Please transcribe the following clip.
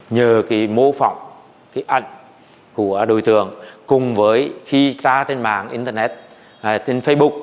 nhờ cái mô phỏng cái ảnh của đối tượng cùng với khi ra trên mạng internet trên facebook